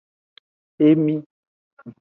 Emi.